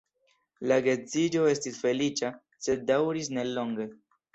La geedziĝo estis feliĉa, sed daŭris nelonge.